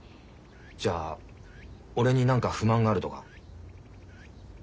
じゃあ俺に何か不満があるとか？